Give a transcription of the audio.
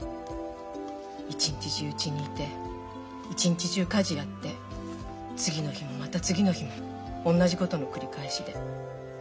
一日中うちにいて一日中家事やって次の日もまた次の日も同じことの繰り返しで。